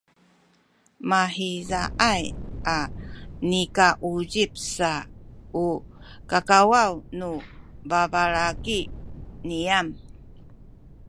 mahizaay a nikauzip sa u kakawaw nu babalaki niyam